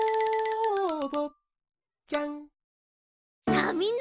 さあみんな！